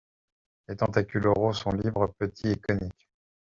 Les tentacules oraux sont libres, petits et coniques.